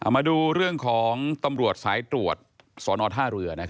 มาดูเรื่องของตำรวจสายตรวจสอนอท่าเรือ